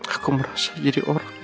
aku merasa jadi orang